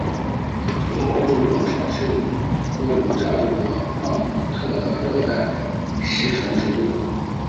柔毛猪笼草是婆罗洲加里曼丹特有的热带食虫植物。